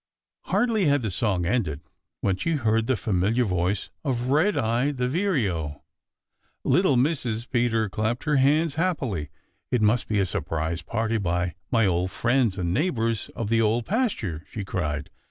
Hardly had the song ended when she heard the familiar voice of Redeye the Vireo. Little Mrs. Peter clapped her hands happily. "It must be a surprise party by my old friends and neighbors of the Old Pasture!" she cried.